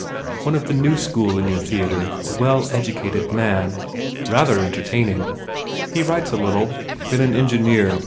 One of the new school in your theatre? A well educated man? ... Rather entertaining." "He writes a little. Been an engineer.